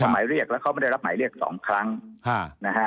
หมายเรียกแล้วเขาไม่ได้รับหมายเรียก๒ครั้งนะฮะ